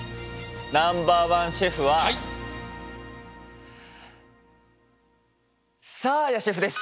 ナンバーワンシェフはさあやシェフです。